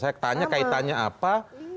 saya tanya kaitannya apa